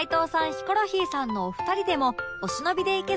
ヒコロヒーさんのお二人でもお忍びで行けそうな